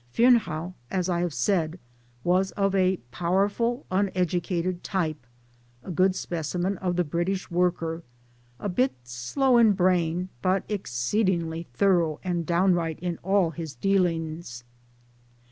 Fearnehough, as I have said, was of a " powerful uneducated " type a good specimen of the British worker a bit slow in brain, but exceedingly thorough and downright in all his dealings.